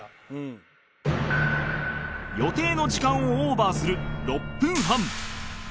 予定の時間をオーバーする６分半